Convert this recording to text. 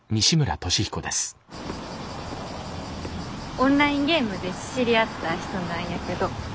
オンラインゲームで知り合った人なんやけど。